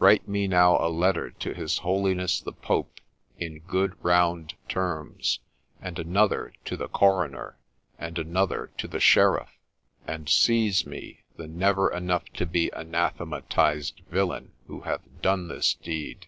Write me now a letter to his Holiness the Pope in good round terms, and another to the Coroner, and another to the Sheriff, and seize me the never enough to be anathematized villain who hath done this deed